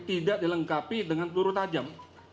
tidak dilengkapi dengan peluru tajam